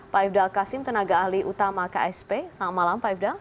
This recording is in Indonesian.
pak ifdal kasim tenaga ahli utama ksp selamat malam pak ifdal